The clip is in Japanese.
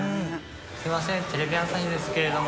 すいませんテレビ朝日ですけれども。